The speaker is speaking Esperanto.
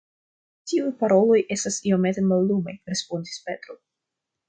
Tiuj paroloj estas iomete mallumaj, respondis Petro.